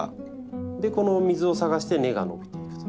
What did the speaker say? でこの水を探して根が伸びていくと。